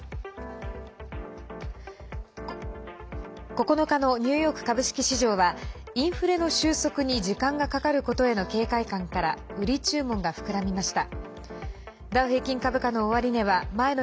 ９日のニューヨーク株式市場はインフレの収束に時間がかかることへの警戒感から売り注文が膨らみました。